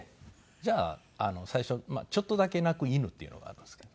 じゃあ最初ちょっとだけ鳴く犬っていうのがあるんですけど。